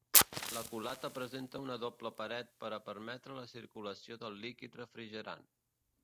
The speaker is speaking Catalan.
La culata presenta una doble paret per a permetre la circulació del líquid refrigerant.